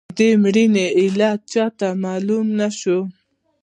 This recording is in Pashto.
د مړینې علت یې چاته معلوم نه شو.